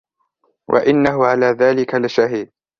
وَإِنَّهُ عَلَى ذَلِكَ لَشَهِيدٌ